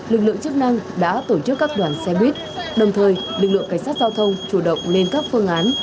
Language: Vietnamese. lực lượng chức năng đã tổ chức các đoàn xe buýt đồng thời lực lượng cảnh sát giao thông chủ động lên các phương án